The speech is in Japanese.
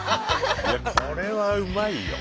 これはうまいよ。